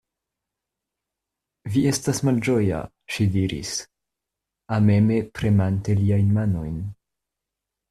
Vi estas malĝoja, ŝi diris, ameme premante liajn manojn.